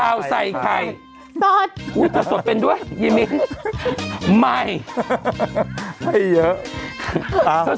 ท้าวใส่ใครมากว่าจะเป็นด้วยไม่มีให้เยอะหรอ